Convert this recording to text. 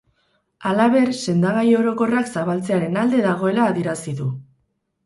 Halaber, sendagai orokorrak zabaltzearen alde dagoela adierazi du.